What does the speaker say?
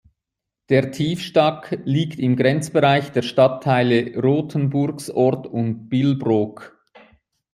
Der Tiefstack liegt im Grenzbereich der Stadtteile Rothenburgsort und Billbrook.